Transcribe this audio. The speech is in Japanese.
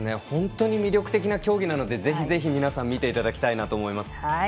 本当に魅力的な競技なのでぜひぜひ皆さん見ていただきたいなと思います。